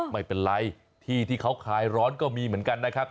ไม่เป็นไรที่ที่เขาคลายร้อนก็มีเหมือนกันนะครับ